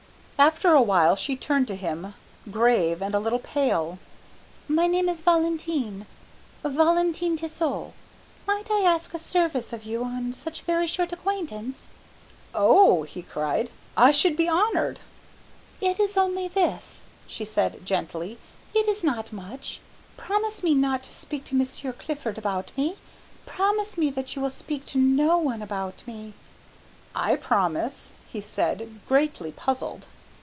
After a while she turned to him, grave and a little pale. "My name is Valentine Valentine Tissot. Might might I ask a service of you on such very short acquaintance?" "Oh," he cried, "I should be honoured." "It is only this," she said gently, "it is not much. Promise me not to speak to Monsieur Clifford about me. Promise me that you will speak to no one about me." "I promise," he said, greatly puzzled.